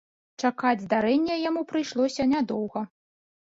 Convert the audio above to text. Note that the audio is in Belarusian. Чакаць здарэння яму прыйшлося нядоўга.